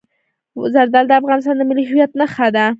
زردالو د افغانستان د ملي هویت نښه ده.